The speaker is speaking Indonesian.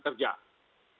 oke baik mbak dut